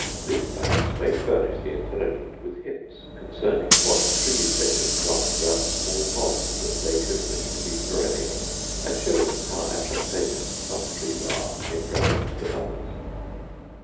These facts may furnish the intelligent with hints concerning what trees they should plant round small ponds that they would wish to be perennial; and show them how advantageous some trees are in preference to others.